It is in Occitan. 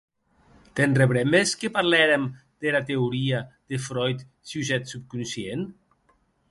Te'n rebrembes que parlèrem dera teoria de Freud sus eth subconscient?